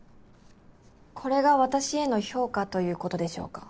これが私への評価ということでしょうか。